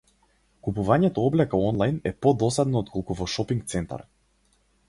Купувањето облека онлајн е подосадно отколку во шопинг центар.